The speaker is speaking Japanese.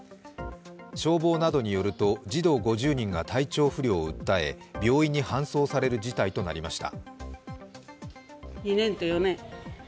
消防などによると、児童５０人が体調不良を訴え病院に搬送される事態となりました。